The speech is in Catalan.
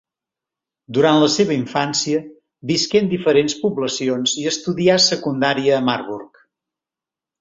Durant la seva infància visqué en diferents poblacions i estudià secundària a Marburg.